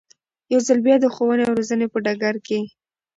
يو ځل بيا د ښوونې او روزنې په ډګر کې